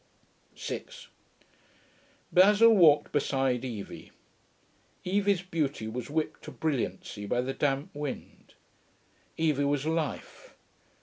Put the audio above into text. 6 Basil walked beside Evie. Evie's beauty was whipped to brilliancy by the damp wind. Evie was life.